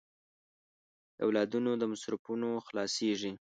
د اولادونو د مصرفونو خلاصېږي.